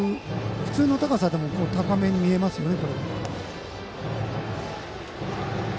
普通の高さでも高めに見えますよね。